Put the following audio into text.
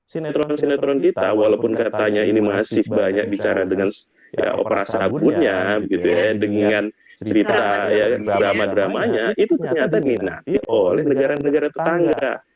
sinetron sinetron kita walaupun katanya ini masih banyak bicara dengan operasi akunnya dengan cerita drama dramanya itu ternyata diminati oleh negara negara tetangga